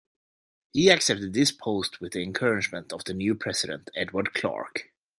He accepted this post with the encouragement of the new president, Edward Clark.